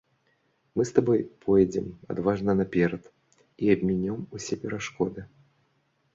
Мы з табой пойдзем адважна наперад і абмінём усе перашкоды.